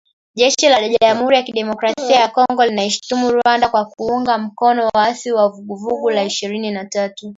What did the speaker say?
Jeshi la Jamhuri ya Kidemokrasia ya Kongo linaishutumu Rwanda kwa kuunga mkono waasi wa Vuguvugu la Ishirini na tatu